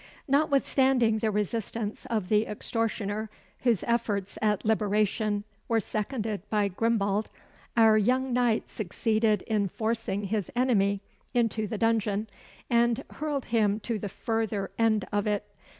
Notwithstanding the resistance of the extortioner, whose efforts at liberation were seconded by Grimbald, our young knight succeeded in forcing his enemy into the dungeon, and hurled him to the further end of it.